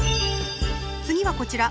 次はこちら。